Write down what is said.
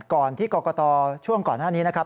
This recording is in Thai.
ก่อนที่กรกตช่วงก่อนหน้านี้นะครับ